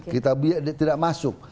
kita biar dia tidak masuk